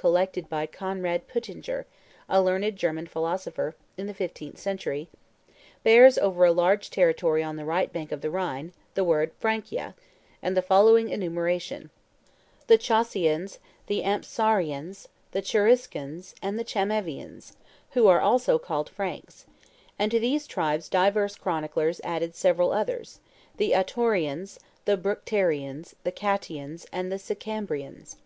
collected by Conrad Peutinger, a learned German philosopher, in the fifteenth century), bears over a large territory on the right bank of the Rhine, the word Francia, and the following enumeration: "The Chaucians, the Ampsuarians, the Cheruscans, and the Chamavians, who are also called Franks;" and to these tribes divers chroniclers added several others, "the Attuarians, the Bructerians, the Cattians, and the Sicambrians."